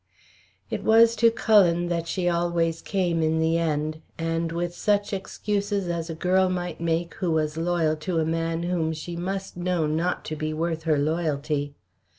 It was to Cullen that she always came in the end, and with such excuses as a girl might make who was loyal to a man whom she must know not to be worth her loyalty.